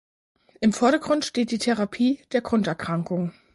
Im Vordergrund steht die Therapie der Grunderkrankung.